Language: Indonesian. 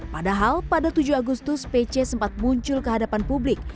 padahal pada tujuh agustus pc sempat muncul ke hadapan publik